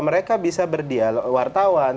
mereka bisa berdialog wartawan